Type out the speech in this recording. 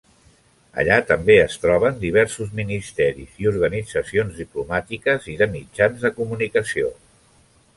Allà també es troben diversos ministeris i organitzacions diplomàtiques i de mitjans de comunicació.